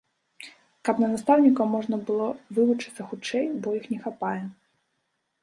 Каб на настаўнікаў можна было вывучыцца хутчэй, бо іх не хапае.